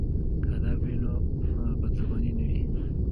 که ادب وي نو بدزباني نه وي.